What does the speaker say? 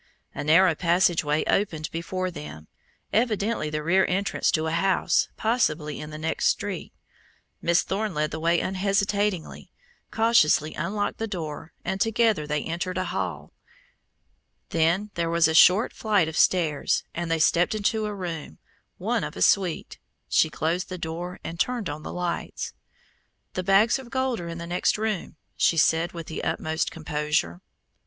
A narrow passageway opened before them evidently the rear entrance to a house possibly in the next street. Miss Thorne led the way unhesitatingly, cautiously unlocked the door, and together they entered a hall. Then there was a short flight of stairs, and they stepped into a room, one of a suite. She closed the door and turned on the lights. "The bags of gold are in the next room," she said with the utmost composure. Mr.